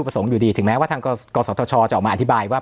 อยู่ดีถึงแม้ว่าทางกศธชจะออกมาอธิบายว่า